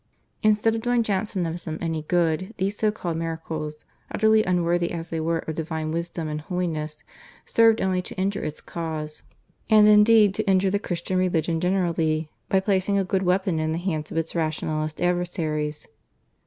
Instead of doing Jansenism any good these so called miracles, utterly unworthy as they were of divine wisdom and holiness, served only to injure its cause, and indeed to injure the Christian religion generally, by placing a good weapon in the hands of its rationalist adversaries.